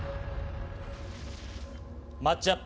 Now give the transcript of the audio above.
マッチアップ